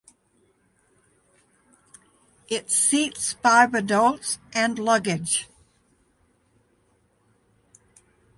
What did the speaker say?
It seats five adults and luggage.